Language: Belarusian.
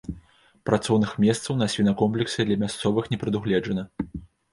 Працоўных месцаў на свінакомплексе для мясцовых не прадугледжана.